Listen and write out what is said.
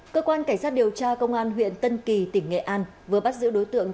cơ quan cảnh sát điều tra công an huyện tân kỳ tỉnh nghệ an vừa bắt giữ đối tượng